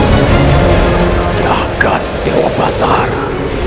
tidak dewa batara